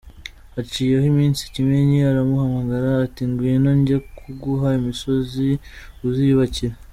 Haciyeho iminsi Kimenyi aramuhamagara; ati “Ngwino njye kuguha imisozi uziyubakire!”.